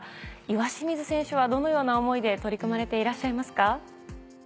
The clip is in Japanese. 岩清水選手はどのような思いで取り組まれていらっしゃいますか？